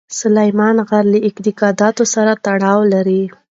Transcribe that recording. سلیمان غر له اعتقاداتو سره تړاو لري.